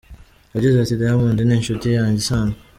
Yagize ati "Diamond ni inshuti yanjye isanzwe.